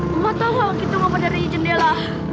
mama tau hal gitu ngapain dari jendela